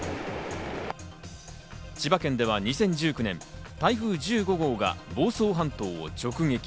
千葉県では２０１９年、台風１５号が房総半島を直撃。